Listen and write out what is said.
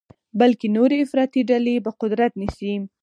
بلکې نورې افراطي ډلې به قدرت نیسي.